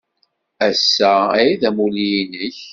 Ass-a ay d amulli-nnek?